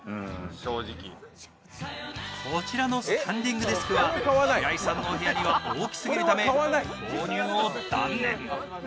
こちらのスタンディングデスクは平井さんの部屋には大きすぎるため購入を断念。